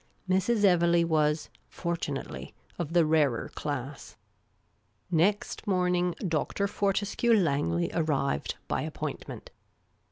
Mrs. Evelegh was, fortunatel}' , of the rarer class. Next morn ing. Dr. Fortescue Langley arrived, by appointment.